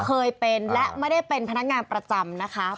เคยเป็นและไม่ได้เป็นพนักงานประจำนะคะ